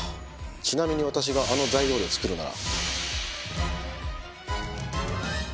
ちなみに私があの材料で作るなら。